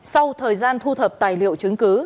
sau thời gian thu thập tài liệu chứng cứ